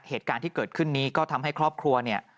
เหตุการณ์ที่เกิดขึ้นนี้ก็ทำให้ครอบครัวเนี่ย